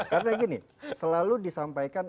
karena gini selalu disampaikan